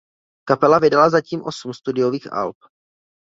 Kapela vydala zatím osm studiových alb.